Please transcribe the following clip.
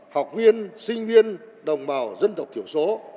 học viên sinh viên đồng bào dân tộc thiểu số